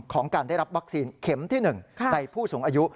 การได้รับวัคซีนเข็มที่๑ในผู้สูงอายุ